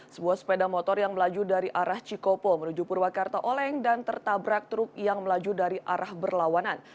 sebuah sepeda motor yang melaju dari arah cikopo menuju purwakarta oleng dan tertabrak truk yang melaju dari arah berlawanan